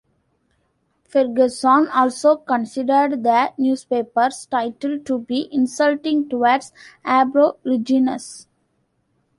Ferguson also considered the newspaper's title to be insulting towards Aborigines.